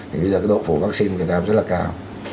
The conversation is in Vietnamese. bây giờ cái độ phục vắc xin của việt nam rất là cao